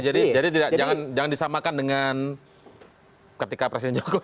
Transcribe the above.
jadi jangan disamakan dengan ketika presiden jokowi